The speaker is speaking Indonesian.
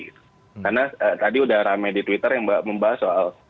karena tadi sudah ramai di twitter yang membahas soal